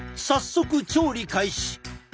早速調理開始。